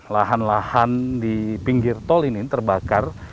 lahan lahan di pinggir tol ini terbakar